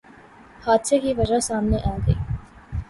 حادثے کی وجہ سامنے آگئی